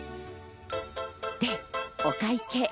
で、お会計。